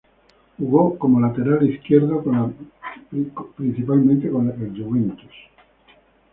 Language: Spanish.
Jugó como lateral izquierdo, principalmente con la Juventus.